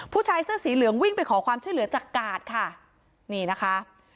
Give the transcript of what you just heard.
ผู้ชายเสื้อสีเหลืองวิ่งไปขอความช่วยเหลือจากกาดค่ะนี่นะคะ